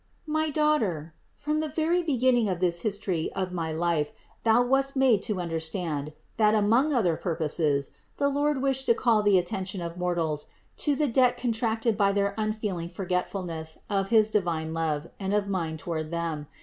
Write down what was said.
700. My daughter, from the very beginning of this history of my life thou wast made to understand, that among other purposes, the Lord wished to call the at tention of mortals to the debt contracted by their un feeling forgetfulness of his divine love and of mine to ward them.